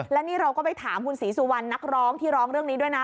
และนี่เราก็ไปถามคุณศรีสุวรรณนักร้องที่ร้องเรื่องนี้ด้วยนะ